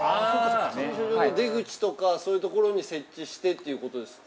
◆駐車場の出口とかそういうところに設置としてということですか。